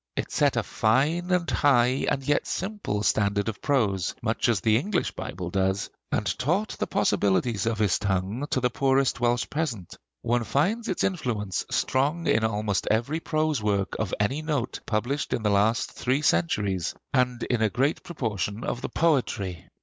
It set a fine and high and yet simple standard of prose, much as the English Bible does; and taught the possibilities of his tongue to the poorest Welsh peasant. One finds its influence strong in almost every prose work of any note published in the last three centuries, and in a great proportion of the poetry.